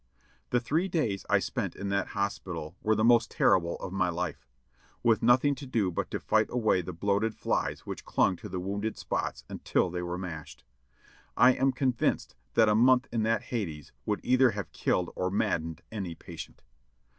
The three days I spent in that hospital were the most terrible of my life ; with nothing to do but to fight away the bloated flies which clung to the wounded spots until they were mashed. I am convinced that a month in that Hades would either have killed or maddened any patient.